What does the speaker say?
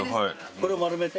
これを丸めて。